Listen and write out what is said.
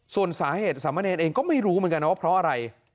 ส่วนสาเหตุสามเณรเองก็ไม่รู้เหมือนกันนะว่าเพราะอะไร